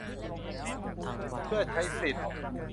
เพื่อใช้สิทธิ